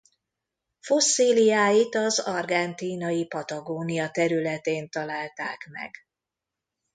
Fosszíliáit az argentínai Patagónia területén találták meg.